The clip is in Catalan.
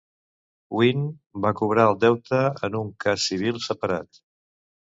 Wynn va cobrar el deute en un cas civil separat.